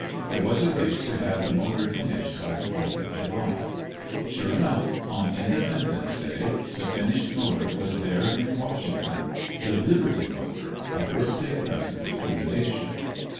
There was a race to have the motor finished by the Fourth of July. Sure enough, on Independence Day the finished motor was there in Washington the "Liberty motor," a birthday present to the nation.